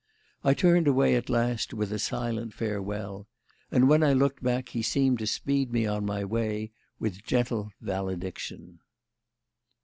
I turned away, at last, with a silent farewell; and when I looked back, he seemed to speed me on my way with gentle valediction.